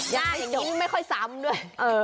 อย่างนี้ไม่ค่อยซ้ำด้วย